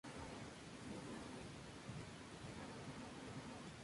Su capital es Rancagua.